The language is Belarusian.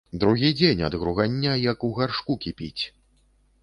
Другі дзень ад гругання як у гаршку кіпіць.